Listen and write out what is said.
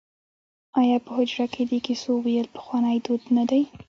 آیا په حجره کې د کیسو ویل پخوانی دود نه دی؟